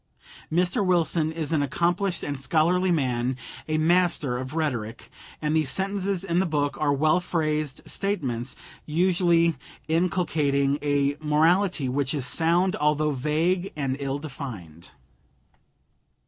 Mr. Wilson is an accomplished and scholarly man, a master of rhetoric, and the sentences in the book are well phrased statements, usually inculcating a morality which is sound although vague and ill defined.